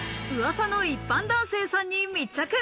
噂の一般男性さんに密着。